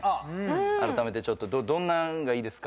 改めてちょっとどんなんがいいですか？